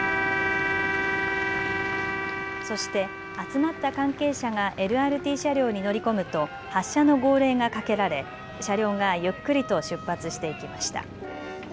そして集まった関係者がＬＲＴ車両に乗り込むと発車の号令がかけられ、車両がゆっくりと出発していきました。